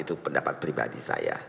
itu pendapat pribadi saya